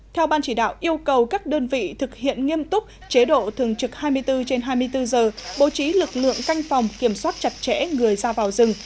theo ban chỉ đạo yêu cầu các đơn vị thực hiện nghiêm túc chế độ thường trực hai mươi bốn trên hai mươi bốn giờ bố trí lực lượng canh phòng kiểm soát chặt chẽ người ra vào rừng